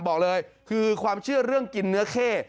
บอกเลยคือความเชื่อเรื่องกินเนื้อเข้